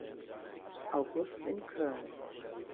August in Köln.